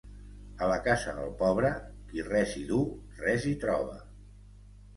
A la casa del pobre, qui res hi du, res hi troba.